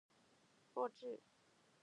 弱智？